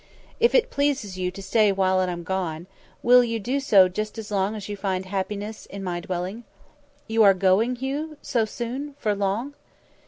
"If it pleases you to stay when I am gone, will you do so just as long as you find happiness in my dwelling?" "You are going, Hugh, so soon for long?"